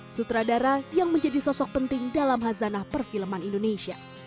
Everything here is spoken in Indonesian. sutradara yang menjadi sosok penting dalam hazanah perfilman indonesia